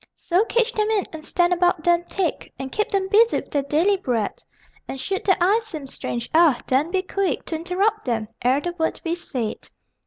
So cage them in, and stand about them thick, And keep them busy with their daily bread; And should their eyes seem strange, ah, then be quick To interrupt them ere the word be said....